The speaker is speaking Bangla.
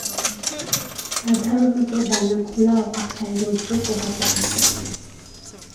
সাধারনত ডানা খোলা অবস্থায় রৌদ্র পোহাতে থাকে।